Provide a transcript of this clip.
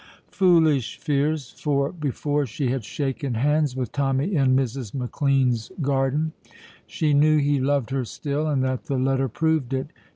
Foolish fears! for before she had shaken hands with Tommy in Mrs. McLean's garden she knew he loved her still, and that the letter proved it.